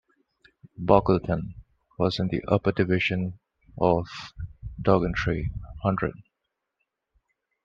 Bockleton was in the upper division of Doddingtree Hundred.